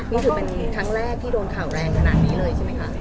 นี่ถือเป็นครั้งแรกที่โดนข่าวแรงขนาดนี้เลยใช่ไหมคะ